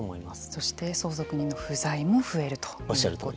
そして相続人の不在も増えるということ。